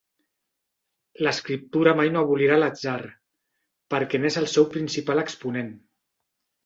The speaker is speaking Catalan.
L'escriptura mai no abolirà l'atzar, perquè n'és el seu principal exponent.